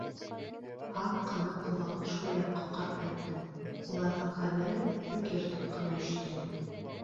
Һаҡ ҡына ҡолағын шул яҡҡа ҡарпайтты, уларҙың хәбәре өҙөк-йыртыҡ ҡына ишетелде.